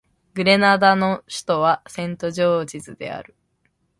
グレナダの首都はセントジョージズである